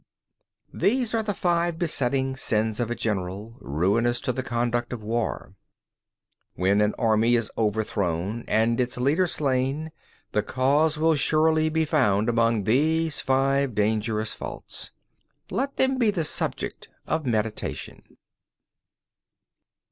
13. These are the five besetting sins of a general, ruinous to the conduct of war. 14. When an army is overthrown and its leader slain, the cause will surely be found among these five dangerous faults. Let them be a subject of meditation.